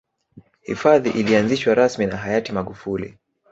hifadhi ilianzishwa rasmi na hayati magufuli